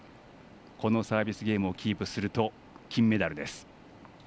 このサービスゲームをキープすると金メダルです。